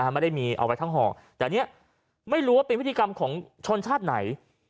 ไม่ได้มีเอาไว้ทั้งห่อแต่อันนี้ไม่รู้ว่าเป็นพิธีกรรมของชนชาติไหน